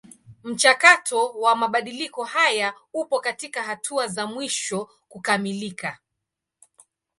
Mchakato wa mabadiliko haya upo katika hatua za mwisho kukamilika.